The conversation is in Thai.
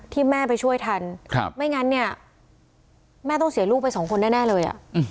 ที่แม่ไปช่วยทันไม่งั้นเนี่ยแม่ต้องเสียลูกไปสองคนแน่เลย